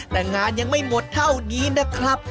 แต่งานยังไม่หมดเท่านี้นะครับ